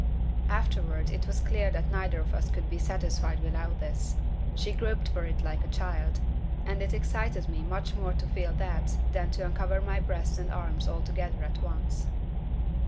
Afterward it was clear that neither of us could be satisfied without this. She groped for it like a child, and it excited me much more to feel that than to uncover my breast and arms altogether at once.